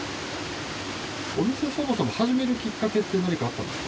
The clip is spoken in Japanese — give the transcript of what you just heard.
お店をそもそも始めるきっかけって何かあったんですか？